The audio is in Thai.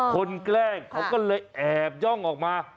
แกล้งเขาก็เลยแอบย่องออกมา